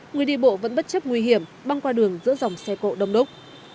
người đi bộ vẫn bất chấp nguy hiểm băng qua đường giữa dòng xe cộ đông đúc